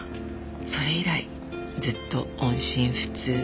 それ以来ずっと音信不通。